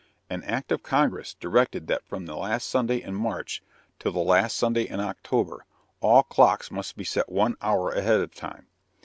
An act of Congress directed that from the last Sunday in March till the last Sunday in October all clocks must be set one hour ahead of time.